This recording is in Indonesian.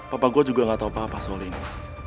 papa gue juga gak tahu apa apa soal ini